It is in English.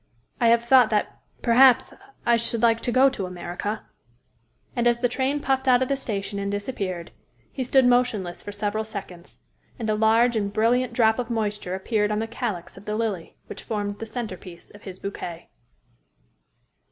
I have thought that, perhaps, I should like to go to America." And, as the train puffed out of the station and disappeared, he stood motionless for several seconds; and a large and brilliant drop of moisture appeared on the calyx of the lily which formed the centre piece of his bouquet.